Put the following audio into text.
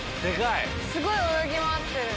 すごい泳ぎ回ってる。